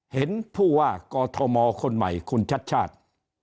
เห็นผู้ว่ากอทมคนใหม่คุณชัดชาติ